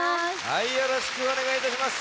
はいよろしくおねがいいたします。